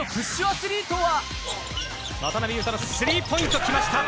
アスリートは渡雄太のスリーポイント来ました。